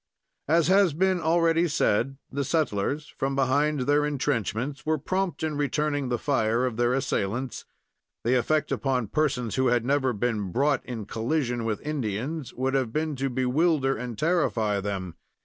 As has been already said, the settlers, from behind their intrenchments, were prompt in returning the fire of their assailants. The effect upon persons who had never been brought in collision with Indians would have been to bewilder and terrify them.